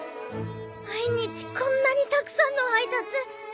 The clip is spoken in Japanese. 毎日こんなにたくさんの配達。